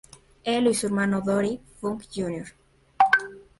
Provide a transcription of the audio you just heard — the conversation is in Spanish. El y su hermano Dory Funk Jr.